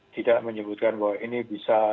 tidak menyebutkan bahwa ini bisa